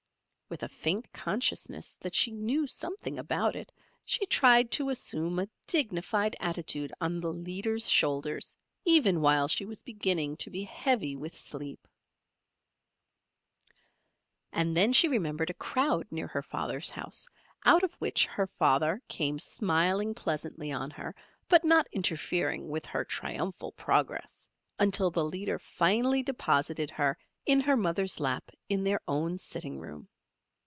With a faint consciousness that she knew something about it, she tried to assume a dignified attitude on the leader's shoulders even while she was beginning to be heavy with sleep. And then she remembered a crowd near her father's house, out of which her father came smiling pleasantly on her, but not interfering with her triumphal progress until the leader finally deposited her in her mother's lap in their own sitting room.